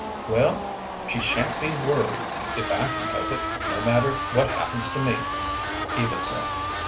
"Well, she sha'n't be worried if I can help it, no matter what happens to me," Eva said.